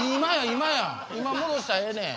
今戻したらええねん。